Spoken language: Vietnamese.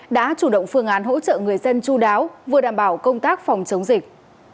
đã chủ động phương án hỗ trợ người dân chú đáo vừa đảm bảo công tác phòng chống dịch